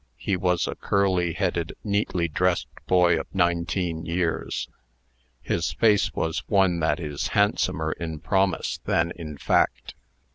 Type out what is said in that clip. He was a curly headed, neatly dressed boy of nineteen years. His face was one that is handsomer in promise than in fact.